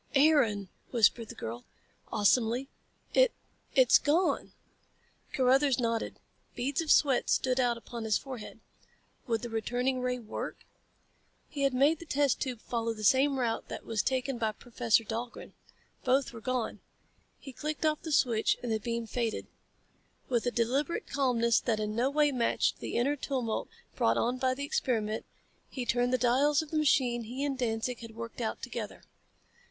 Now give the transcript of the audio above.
"Aaron!" whispered the girl, awesomely. "It ... it's gone!" Carruthers nodded. Beads of sweat stood out upon his forehead. Would the returning ray work? He had made the test tube follow the same route as that taken by Professor Dahlgren. Both were gone. He clicked off the switch and the beam faded. With a deliberate calmness that in no way matched the inner tumult brought on by the experiment, he turned the dials of the machine he and Danzig had worked out together.